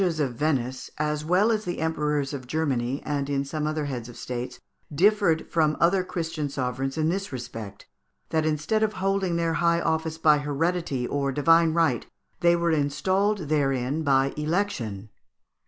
] The doges of Venice, as well as the emperors of Germany, and some other heads of states, differed from other Christian sovereigns in this respect, that, instead of holding their high office by hereditary or divine right, they were installed therein by election.